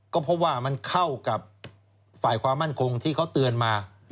ก็เพราะว่ามันเข้ากับฝ่ายความมั่นคงที่เขาเตือนมา